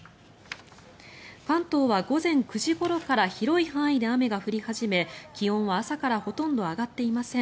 関東は午前９時ごろから広い範囲で雨が降り始め気温は朝からほとんど上がっていません。